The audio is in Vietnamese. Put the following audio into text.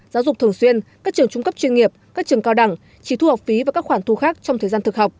giáo dục thường xuyên các trường trung cấp chuyên nghiệp các trường cao đẳng chỉ thu học phí và các khoản thu khác trong thời gian thực học